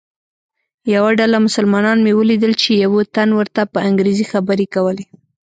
یوه ډله مسلمانان مې ولیدل چې یوه تن ورته په انګریزي خبرې کولې.